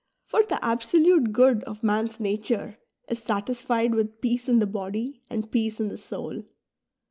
For the absolute good of man's nature is satisfied with peace in the body and peace in the soul.